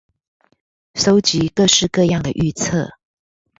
蒐集各式各樣的預測